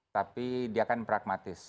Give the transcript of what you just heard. tapi dia akan praktis